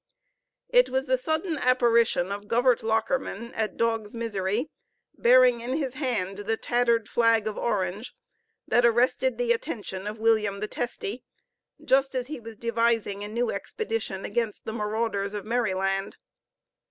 It was the sudden apparition of Govert Lockerman at Dog's Misery, bearing in his hand the tattered flag of Orange, that arrested the attention of William the Testy, just as he was devising a new expedition against the marauders of Merryland.